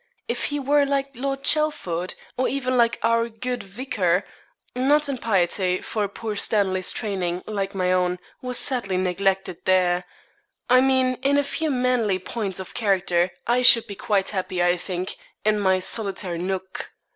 If he were like Lord Chelford, or even like our good vicar not in piety, for poor Stanley's training, like my own, was sadly neglected there I mean in a few manly points of character, I should be quite happy, I think, in my solitary nook.'